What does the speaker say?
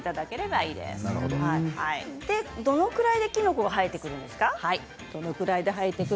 指２本分どのくらいでキノコが生えてくるんですか。